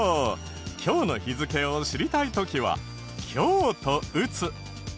今日の日付を知りたい時は「今日」と打つ。